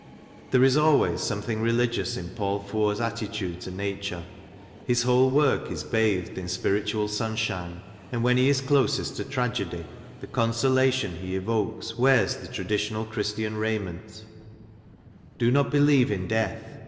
There is always something religious in Paul Fort's attitude to Nature; his whole work is bathed in spiritual sunshine, and when he is closest to tragedy, the consolation he evokes wears the traditional Chris tian raiment: Do not believe in death.